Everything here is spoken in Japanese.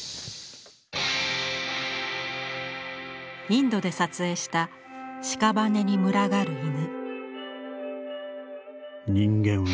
インドで撮影した屍に群がる犬。